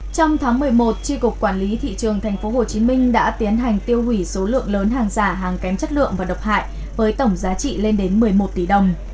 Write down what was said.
trong tháng một mươi một tri cục quản lý thị trường tp hcm đã tiến hành tiêu hủy số lượng lớn hàng giả hàng kém chất lượng và độc hại với tổng giá trị lên đến một mươi một tỷ đồng